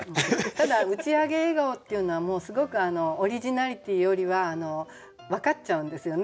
ただ「打ち上げ笑顔」っていうのはすごくオリジナリティーよりは分かっちゃうんですよね。